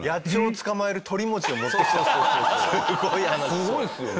すごいっすよね。